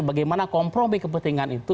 bagaimana kompromi kepentingan itu